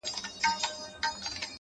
زحمت د بریا د کښت اوبه دي،